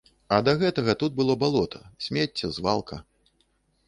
А да гэтага тут было балота, смецце, звалка.